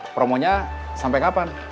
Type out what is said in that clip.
promonya sampai kapan